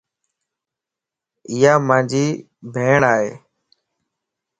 ايا مانجي ڀيڻ ائي